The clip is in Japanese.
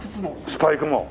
スパイクも！